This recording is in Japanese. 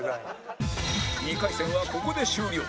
２回戦はここで終了